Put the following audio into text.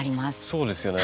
そうですよね。